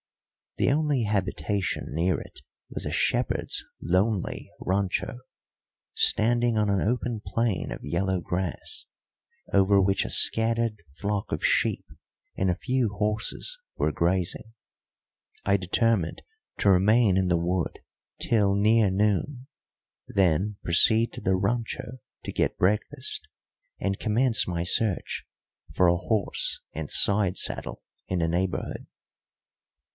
The only habitation near it was a shepherd's lonely rancho, standing on an open plain of yellow grass, over which a scattered flock of sheep and a few horses were grazing. I determined to remain in the wood till near noon, then proceed to the rancho to get breakfast, and commence my search for a horse and side saddle in the neighbourhood.